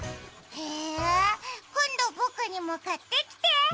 へー、今度僕にも買ってきて！